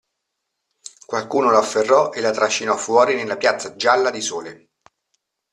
Qualcuno l'afferrò e la trascinò fuori nella piazza gialla di sole.